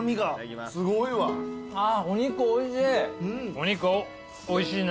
お肉おいしいな。